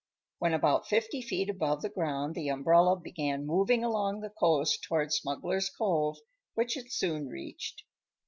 When about fifty feet above the ground the umbrella began moving along the coast toward Smuggler's Cove, which it soon reached.